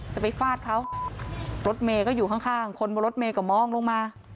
จะไปฟาดเขารถเมย์ก็อยู่ข้างข้างคนบนรถเมย์ก็มองลงมา